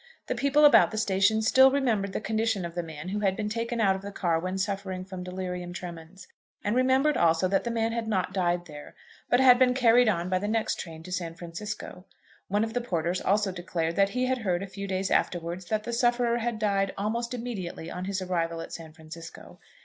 The people about the station still remembered the condition of the man who had been taken out of the car when suffering from delirium tremens; and remembered also that the man had not died there, but had been carried on by the next train to San Francisco. One of the porters also declared that he had heard a few days afterwards that the sufferer had died almost immediately on his arrival at San Francisco.